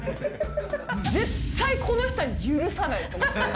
絶対、この人は許さないと思って。